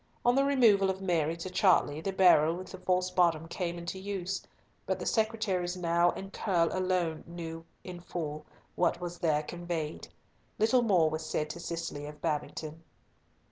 On the removal of Mary to Chartley the barrel with the false bottom came into use, but the secretaries Nau and Curll alone knew in full what was there conveyed. Little more was said to Cicely of Babington.